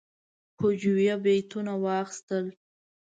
هجویه بیتونه یې واخیستل.